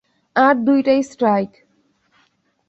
আর দুটো স্ট্রাইক।